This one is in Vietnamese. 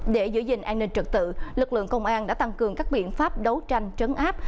để giữ gìn an ninh trật tự lực lượng công an đã tăng cường các biện pháp đấu tranh trấn áp